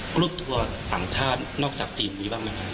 กรุ๊ปทัวร์ต่างชาตินอกจากจีนมีบ้างไหมครับ